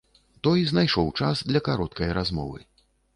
Той знайшоў час для кароткай размовы.